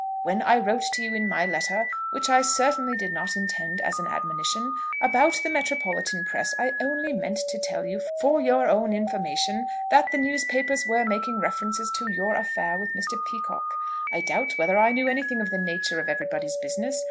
When I wrote to you in my letter, which I certainly did not intend as an admonition, about the metropolitan press, I only meant to tell you, for your own information, that the newspapers were making reference to your affair with Mr. Peacocke. I doubt whether I knew anything of the nature of 'Everybody's Business.'